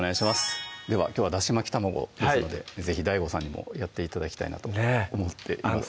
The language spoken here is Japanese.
きょうは「だし巻き玉子」ですので是非ＤＡＩＧＯさんにもやって頂きたいなと思っています